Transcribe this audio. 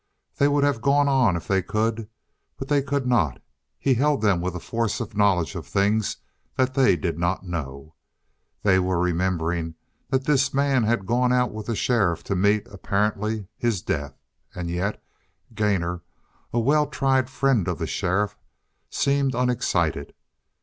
They would have gone on if they could, but they could not. He held them with a force of knowledge of things that they did not know. They were remembering that this man had gone out with the sheriff to meet, apparently, his death. And yet Gainor, a well tried friend of the sheriff, seemed unexcited.